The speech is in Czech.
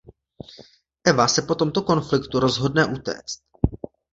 Eva se po tomto konfliktu rozhodne utéct.